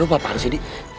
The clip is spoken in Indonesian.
lu apa apaan sih d